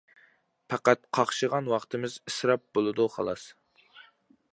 پەقەت قاقشىغان ۋاقتىمىز ئىسراپ بولىدۇ خالاس.